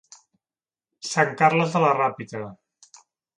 St Carles de la Ràpita.